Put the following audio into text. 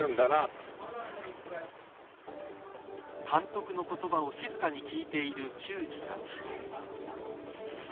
監督の言葉を静かに聞いている球児たち。